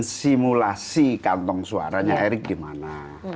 kita simulasi kantong suaranya erick di mana